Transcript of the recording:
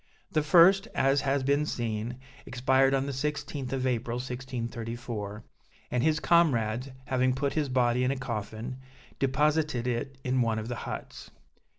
The first, as has been seen, expired on the 16th of April 1634, and his comrades, having put his body in a coffin, deposited it in one of the huts.